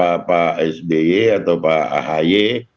pak sby atau pak ahy